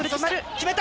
決めた！